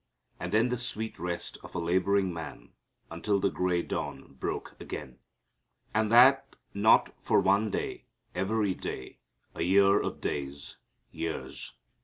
And then the sweet rest of a laboring man until the gray dawn broke again. And that not for one day, every day, a year of days years.